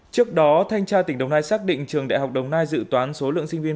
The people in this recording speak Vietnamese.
trước đó thanh tra tỉnh đồng nai xác định trường đại học đồng nai dự toán số lượng sinh viên